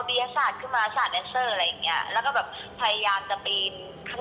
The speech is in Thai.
เป็นงานการ์ช่างานใหญ่ของเชียงรายนั่นแหละ